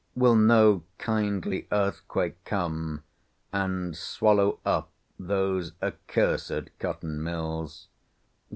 Will no kindly earthquake come and swallow up those accursed cotton mills?